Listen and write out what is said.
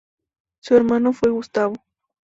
Su hermano fue Gustavo.